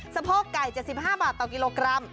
สะโพกไก่๗๕บาทต่อกิโลกรัม